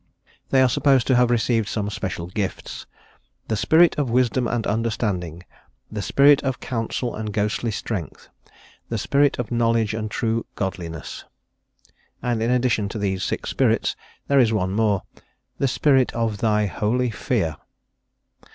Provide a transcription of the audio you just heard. They are supposed to have received some special gifts: "the spirit of wisdom and understanding; the spirit of counsel and ghostly strength; the spirit of knowledge and true godliness;" and in addition to these six spirits, there is one more: "the spirit of thy holy fear."